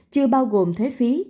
chưa bao gồm thuế phí